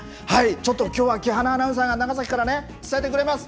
ちょっときょうは木花アナウンサーが長崎から伝えてくれます。